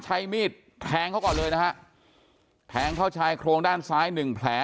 ใช้มีดแทงเขาก่อนเลยนะฮะแทงเข้าชายโครงด้านซ้ายหนึ่งแผล